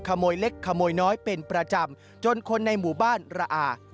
ขโมยเล็กขโมยน้อยเป็นประจำจนคนในหมู่บ้านระอา